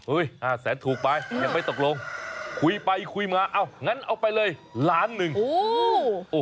ห้าแสนถูกไปยังไม่ตกลงคุยไปคุยมาเอ้างั้นเอาไปเลยล้านหนึ่งโอ้โห